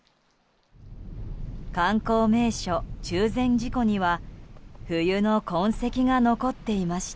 観光名所・中禅寺湖には冬の痕跡が残っていました。